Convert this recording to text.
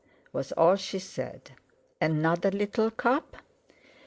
_" was all she said. "Another little cup?"